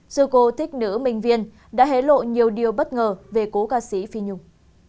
sư cô thích nữ minh viên đã hế lộ nhiều điều bất ngờ về cô ca sĩ phi nhung